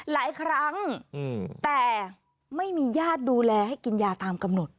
หลายครั้งแต่ไม่มีญาติดูแลให้กินยาตามกำหนด